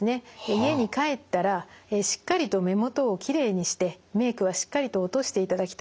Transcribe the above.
家に帰ったらしっかりと目元をきれいにしてメイクはしっかりと落としていただきたいと。